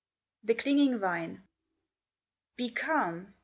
The Clinging Vine "Be calm?